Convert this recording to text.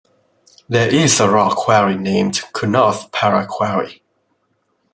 There is a rock quarry named "Kunnoth Para Quarry".